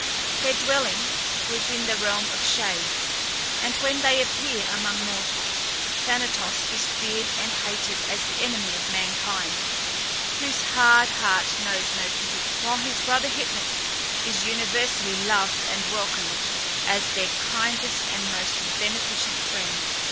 Their dwelling was in the realm of shades, and when they appear among mortals, Thanatos is feared and hated as the enemy of mankind, whose hard heart knows no pity, whilst his brother Hypnus is universally loved and welcomed as their kindest and most beneficent friend.